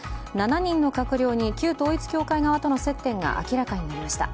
７人の閣僚に旧統一教会側との接点が明らかになりました。